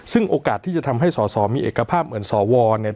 ซึ่งโอกาสที่จะทำให้สอสอมีเอกภาพเหมือนสวเนี่ย